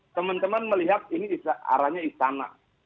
teman teman melihat ini arahnya istana